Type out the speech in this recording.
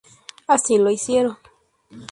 Así lo hicieron.